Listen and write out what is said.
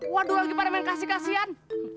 waduh lagi parmen kasih kasian